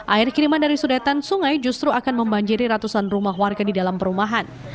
air kiriman dari sudetan sungai justru akan membanjiri ratusan rumah warga di dalam perumahan